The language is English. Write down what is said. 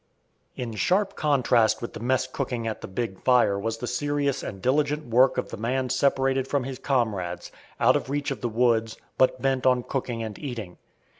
In sharp contrast with the mess cooking at the big fire was the serious and diligent work of the man separated from his comrades, out of reach of the woods, but bent on cooking and eating.